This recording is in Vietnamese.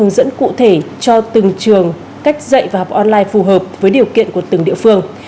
hướng dẫn cụ thể cho từng trường cách dạy và học online phù hợp với điều kiện của từng địa phương